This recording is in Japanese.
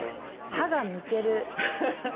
「歯が抜ける」。